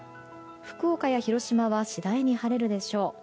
福岡や広島は次第に晴れるでしょう。